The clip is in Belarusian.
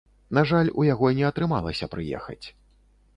На жаль, у яго не атрымалася прыехаць.